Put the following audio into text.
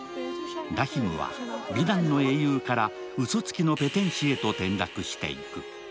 ラヒムは美談の英雄からうそつきのペテン師へと転落していく。